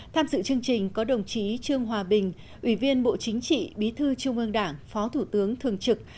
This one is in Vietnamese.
tham dự chương trình có đồng chí trương hòa bình ủy viên bộ chính trị bí thư trung ương đảng phó thủ tướng thường trực